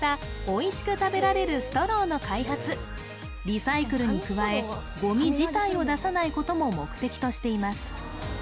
リサイクルに加えゴミ自体を出さないことも目的としています